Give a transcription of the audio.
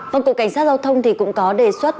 vâng cục cảnh sát giao thông thì cũng có đề xuất